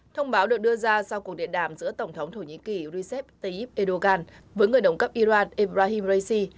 thông báo được đưa ra sau cuộc điện đàm giữa tổng thống thổ nhĩ kỳ recep tayyip erdogan với người đồng cấp iran ebrahim raisi